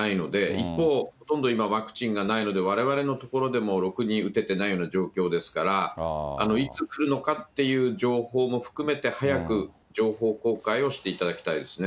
一方、ほとんど今、ワクチンがないので、われわれのところでもろくに打ててないような状況ですから、いつ来るのかっていう情報も含めて、早く情報公開をしていただきたいですね。